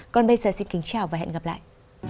còn bây giờ xin kính chào và hẹn gặp lại